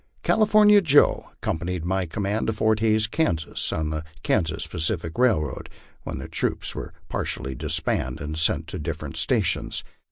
California Joe accompanied my command to Fort Hays, Kansas, on the Kansas Pacific railroad, when the troops were par tially disbanded and sent to different stations.